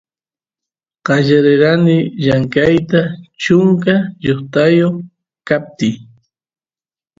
qallarerani llamkayta chunka shoqtayoq kaptiy